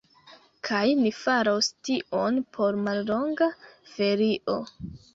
Kaj ni faros tion por mallonga ferio.